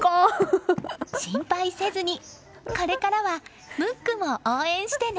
心配せずにこれからはムックも応援してね。